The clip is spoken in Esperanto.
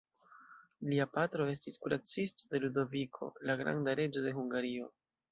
Lia patro estis kuracisto de Ludoviko, la granda, reĝo de Hungario.